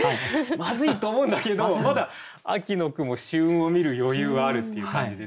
「まずい！」と思うんだけどまだ秋の雲秋雲を見る余裕はあるっていう感じですよね。